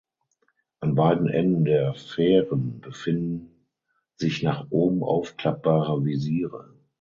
An beiden Enden der Fähren befinden sich nach oben aufklappbare Visiere.